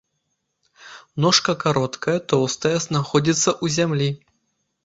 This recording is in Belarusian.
Ножка кароткая, тоўстая, знаходзіцца ў зямлі.